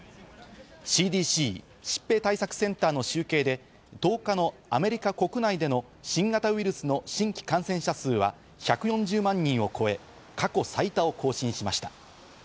ＣＤＣ＝疾病対策センターの集計で、１０日のアメリカ国内での新型ウイルスの新規感染者数は１４０万人を超え過去最多を更新しました。